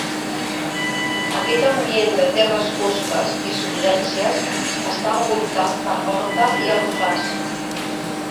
Aquest ambient de terres fosques i surgències està envoltat per horta i arrossars.